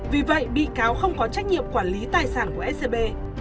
vì vậy bị cáo không có trách nhiệm quản lý tài sản của scb